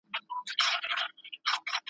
تر خلوته به دي درسي د رندانو آوازونه ,